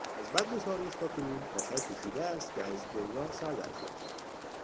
از بدو تاریخ تاکنون بشر کوشیده است که از دنیا سردر بیاورد.